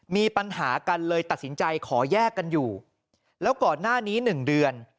มีปัญหากันเลยตัดสินใจขอแยกกันอยู่แล้วก่อนหน้านี้๑เดือน